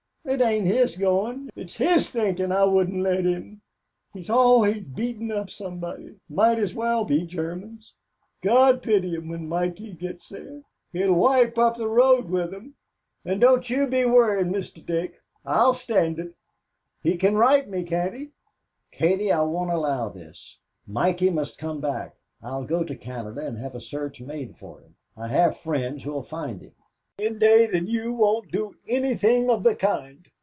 It ain't his goin'; it's his thinkin' I wouldn't let him. He's always beatin' up somebody might as well be Germans. God pity 'em when Mikey gets there. He'll wipe up the road with 'em. And don't you be worryin', Mr. Dick. I'll stand it. He can write me, can't he?" "Katie, I won't allow this. Mikey must come back. I'll go to Canada and have a search made for him. I have friends who'll find him." "Indade and you won't do anything of the kind.